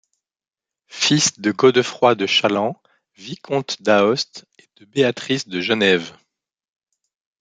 Fils de Godefroi de Challant vicomte d’Aoste et de Béatrice de Genève.